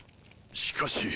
しかし。